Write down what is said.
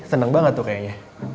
seneng banget tuh kayaknya